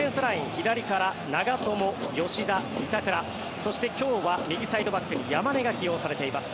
左から長友、吉田、板倉そして今日は右サイドバックに山根が起用されています。